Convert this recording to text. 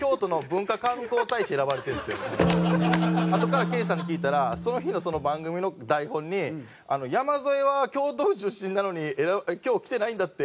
あとからケイさんに聞いたらその日のその番組の台本に「山添は京都府出身なのに今日来てないんだって？」